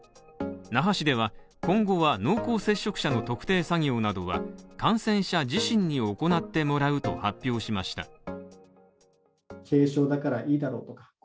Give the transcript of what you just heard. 那覇市では、今後は濃厚接触者の特定作業などは感染者自身に行ってもらうと発表しました。